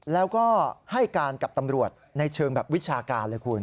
แล้วก็ให้การกับตำรวจในเชิงแบบวิชาการเลยคุณ